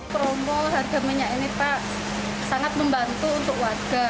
promo harga minyak ini pak sangat membantu untuk warga